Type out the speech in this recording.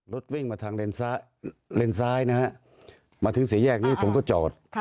รถวิ่งมาทางเลนสายนะฮะมาถึง๓แยกหนึ่งผมก็จอด